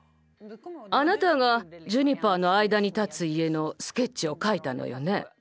あなたがジュニパーの間に建つ家のスケッチを描いたのよね。